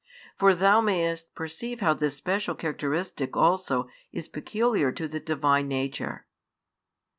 For thou mayest perceive how this special characteristic also is peculiar to the Divine Nature.